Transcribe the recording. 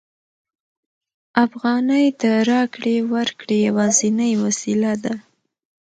افغانۍ د راکړې ورکړې یوازینۍ وسیله ده